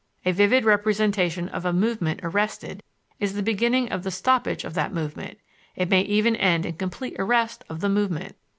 A vivid representation of a movement arrested is the beginning of the stoppage of that movement; it may even end in complete arrest of the movement.